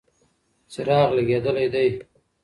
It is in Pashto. څراغ لګېدلی دی.